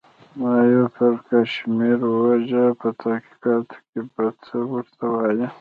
ما یو سر پړکمشر و وژه، په تحقیقاتو کې به څه ورته وایې؟